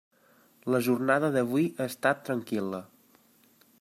La jornada d'avui ha estat tranquil·la.